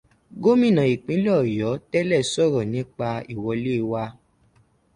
Gómìnà ìpínlẹ̀ Ọ̀yọ́ tẹ́lẹ̀ sọ́rọ́ nípa ìwọlé wa.